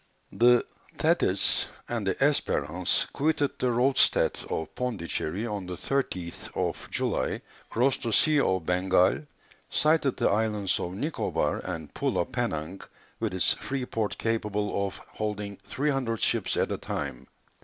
The Thetis and the Espérance quitted the roadstead of Pondicherry on the 30th July, crossed the Sea of Bengal, sighted the islands of Nicobar and Pulo Penang, with its free port capable of holding 300 ships at a time.